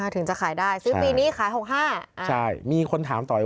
๖๕ถึงจะขายได้ซึ่งปีนี้ขาย๖๕